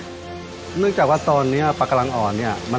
ไปดูกันค่ะว่าหน้าตาของเจ้าปาการังอ่อนนั้นจะเป็นแบบไหน